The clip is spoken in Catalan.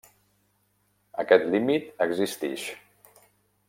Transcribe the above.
Aquest límit existix.